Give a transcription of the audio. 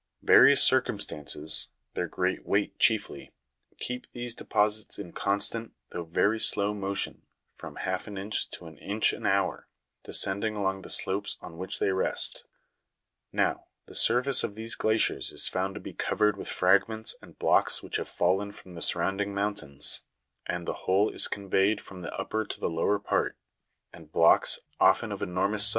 Various circumstances (their great weight chiefly) keep these deposits in constant, though very slow motion, from half an inch to an inch an hour, descending along the slopes on \vhich they rest ; now, the surface of these glaciers is found to be covered with fragments and blocks which have fallen from the surrounding mountains, and the whole is conveyed from the upper to the lower part ; and blocks, often of enormous size, are carried 16.